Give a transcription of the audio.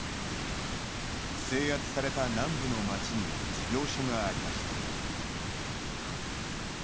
制圧された南部の町にも事業所がありました。